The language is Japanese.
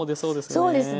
そうですね。